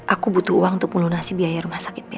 aku butuh uang untuk melunasi biaya rumah sakit